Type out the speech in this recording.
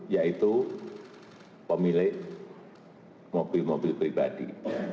yaitu pemilik mobil mobil pribadi